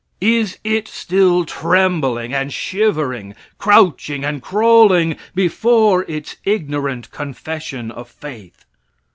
Is it still trembling and shivering, crouching and crawling, before its ignorant confession of faith?